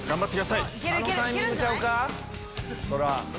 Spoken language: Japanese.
あのタイミングちゃうか？